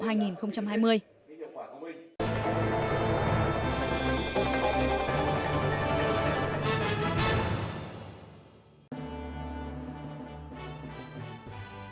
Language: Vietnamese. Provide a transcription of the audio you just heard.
hội nghị các bộ trưởng phụ trách thương mại apec